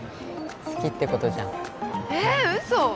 好きってことじゃんええっウソ！